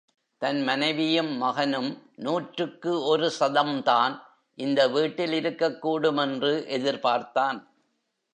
தன் மனைவியும், மகனும் நூற்றுக்கு ஒரு சதம்தான் இந்த வீட்டில் இருக்கக் கூடும் என்று எதிர்பார்த்தான்.